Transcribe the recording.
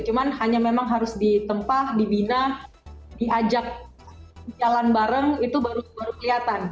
cuma hanya memang harus ditempah dibina diajak jalan bareng itu baru kelihatan